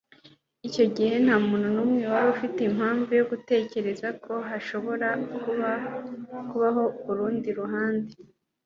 icyo gihe ntamuntu numwe wari ufite impamvu yo gutekereza ko hashobora kubaho urundi ruhande